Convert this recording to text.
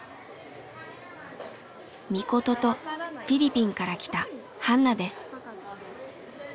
みこととフィリピンから来たハンナです。